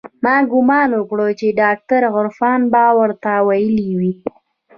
ما ګومان وکړ چې ډاکتر عرفان به ورته ويلي وي.